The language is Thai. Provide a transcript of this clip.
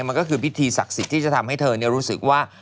มันก็คือพิธีศักดิ์สิทธิ์ที่จะทำให้เธอรู้สึกว่า